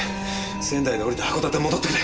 仙台で降りて函館へ戻ってくれ。